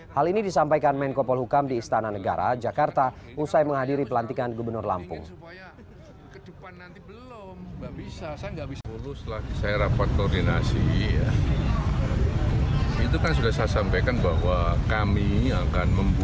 hal ini disampaikan menko polhukam di istana negara jakarta usai menghadiri pelantikan gubernur lampung